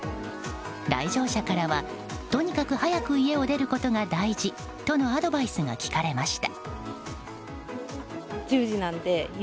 来場者からは、とにかく早く家を出ることが大事とのアドバイスが聞かれました。